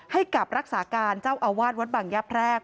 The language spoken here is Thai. ให้กับรักษาการเจ้าอาวาสวัดบังยะแพรก